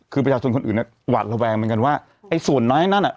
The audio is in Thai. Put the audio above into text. คือประชาชนคนอื่นเนี่ยหวาดระแวงเหมือนกันว่าไอ้ส่วนน้อยนั่นอ่ะ